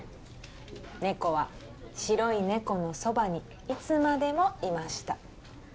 「ねこは白いねこのそばにいつまでもいました」